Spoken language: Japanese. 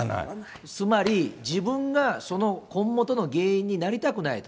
つまり、自分がその今元の原因になりたくないと。